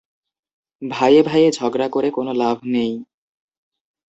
ভাইয়ে-ভাইয়ে ঝগড়া করে কোন লাভ নেই।